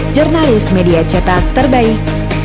jurnalis media cetak terbaik